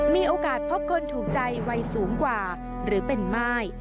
มีโอกาสพบคนถูกใจวัยสูงกว่าหรือเป็นม่าย